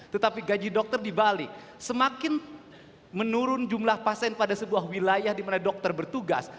tetapi gaji dokter di bali semakin menurun jumlah pasien pada sebuah wilayah di mana dokter bertugas